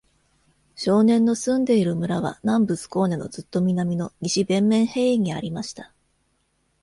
少年の住んでいる村は、南部スコーネのずっと南の、西ヴェンメンヘーイにありました。